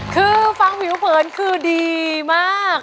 คือฟังผิวเผินคือดีมาก